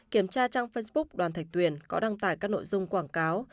kiểm tra trang facebook đoàn thạch tuyền có đăng tải các nội dung quảng cáo